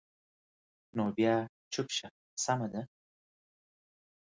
نو بیا چوپ شه، سمه ده.